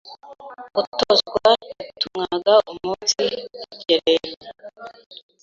gutozwa yatumwaga umunsi rugerero”.